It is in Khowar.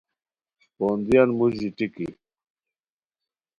پوندیان موژی ٹیکی